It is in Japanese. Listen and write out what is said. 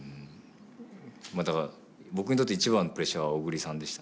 まあだから僕にとって一番のプレッシャーは小栗さんでしたね。